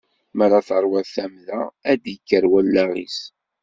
Mi ara terwiḍ tamda, ad d-ikker wallaɣ-is.